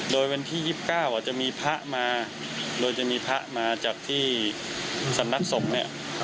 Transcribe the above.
โดยวันที่ยิบเก้าอ่ะจะมีพระมาโดยจะมีพระมาจากที่สนักศพเนี้ย